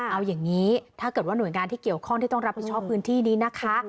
เอาอย่างนี้ถ้าเกิดว่าหน่วยงานที่เกี่ยวข้องที่ต้องรับผิดชอบพื้นที่นี้นะคะ